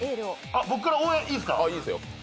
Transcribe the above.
僕から応援いいですか。